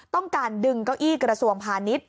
ต้องการดึงเก้าอี้กระทรวงพาณิชย์